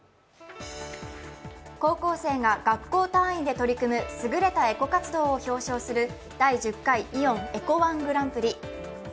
高校生が学校単位で取り組むすぐれたエコ活動を表彰する第１０回イオンエコワングランプリ。